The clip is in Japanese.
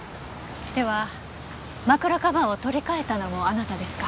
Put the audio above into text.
では枕カバーを取り替えたのもあなたですか？